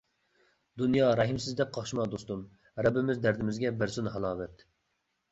دۇنيا رەھىمسىز دەپ قاقشىما دوستۇم، رەببىمىز دەردىمىزگە بەرسۇن ھالاۋەت.